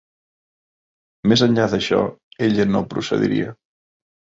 Més enllà d'això, ella no procediria.